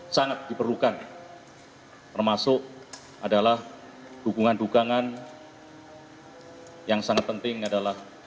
sangat diperlukan termasuk adalah dukungan dukungan yang sangat penting adalah